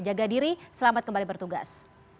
jaga diri selamat kembali bertugas